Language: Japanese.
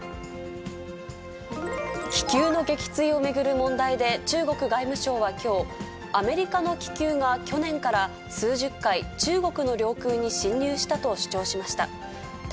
気球の撃墜を巡る問題で中国外務省はきょう、アメリカの気球が去年から数十回、中国の領空に侵入したと主張しました。